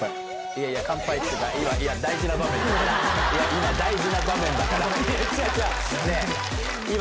今大事な場面だから。